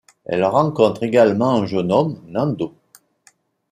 Elles rencontrent également un jeune homme, Nando.